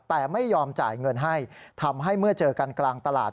แต่ไม่ยอมจ่ายเงินให้ทำให้เมื่อเจอกันกลางตลาด